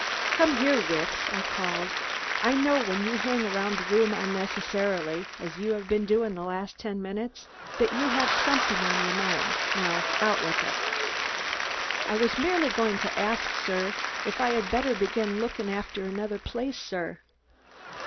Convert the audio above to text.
"Come here, Wicks!" I called. "I know when you hang around a room unnecessarily, as you have been doing for the last ten minutes, that you have something on your mind. Now, out with it." "I was merely going to arsk, sir, hif I 'ad better begin lookin' arfter another place, sir?"